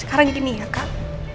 sekarang gini ya kak